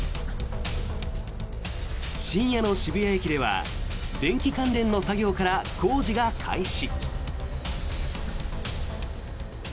深夜の渋谷駅では電気関連の作業から工事が開始。